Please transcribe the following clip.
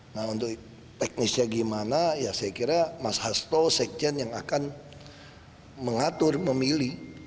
nah untuk teknisnya gimana ya saya kira mas hasto sekjen yang akan mengatur memilih